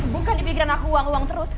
bukan di pikiran aku uang uang terus